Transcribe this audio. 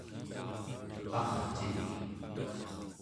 arcik